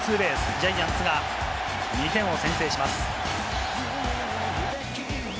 ジャイアンツが２点を先制します。